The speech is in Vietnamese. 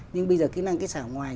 nhưng bây giờ kỹ năng kỹ xảo ngoài